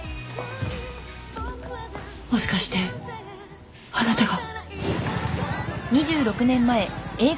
もしかしてあなたが。